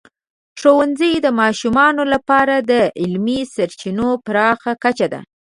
ښوونځی د ماشومانو لپاره د علمي سرچینو پراخه کچه ده.